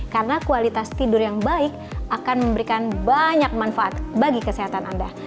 karena kualitas tidur yang baik akan memberikan banyak manfaat bagi kesehatan anda